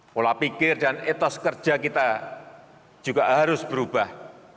pola pikir dan etos kerja kita juga harus berubah